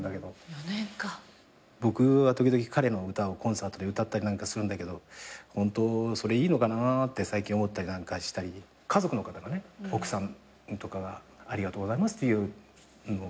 僕は時々彼の歌をコンサートで歌ったりするんだけどホントそれいいのかなって最近思ったりなんかしたり家族の方が奥さんとかがありがとうございますっていう。